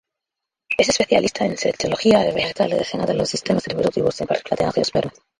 Es especialista en citología vegetal relacionada a los sistemas reproductivos, en particular de angiospermas.